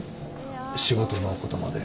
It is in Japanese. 仕事のことまで。